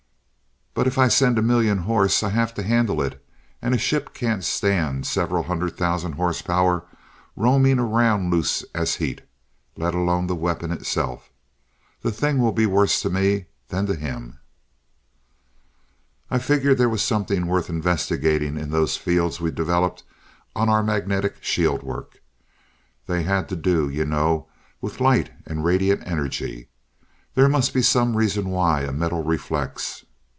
But if I send a million horse, I have to handle it, and a ship can't stand several hundred thousand horsepower roaming around loose as heat, let alone the weapon itself. The thing will be worse to me than to him. "I figured there was something worth investigating in those fields we developed on our magnetic shield work. They had to do, you know, with light, and radiant energy. There must be some reason why a metal reflects.